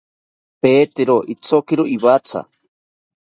Pedero ithotziro iwatha